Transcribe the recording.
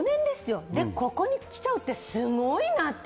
それでここに来ちゃうってすごいなって。